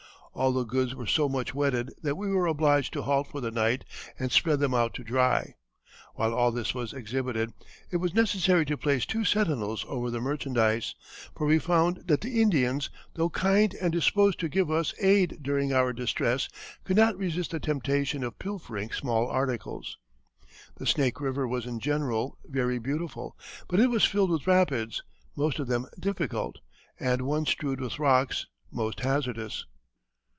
All the goods were so much wetted that we were obliged to halt for the night and spread them out to dry. While all this was exhibited, it was necessary to place two sentinels over the merchandise, for we found that the Indians, though kind and disposed to give us aid during our distress, could not resist the temptation of pilfering small articles." The Snake River was in general very beautiful, but it was filled with rapids, most of them difficult, and one strewed with rocks, most hazardous.